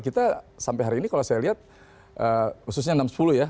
kita sampai hari ini kalau saya lihat khususnya enam ratus sepuluh ya